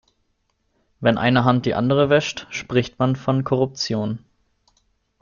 Wenn eine Hand die andere wäscht, spricht man von Korruption.